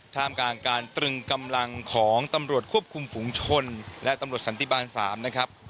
ท่ามกลางการตรึงกำลังของตำรวจควบคุมฝุงชนและตำรวจสันติบาล๓นะครับ